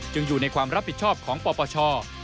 อยู่ในความรับผิดชอบของปปช